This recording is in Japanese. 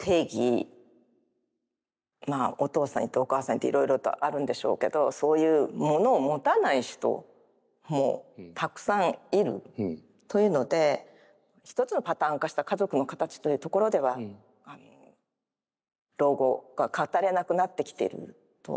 お父さんいてお母さんいていろいろとあるんでしょうけどそういうものを持たない人もたくさんいるというので一つのパターン化した家族の形というところでは老後が語れなくなってきていると思うんですね。